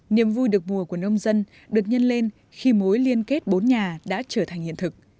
niềm vui được mùa của nông dân được nhân lên khi mối liên kết bốn nhà đã trở thành hiện thực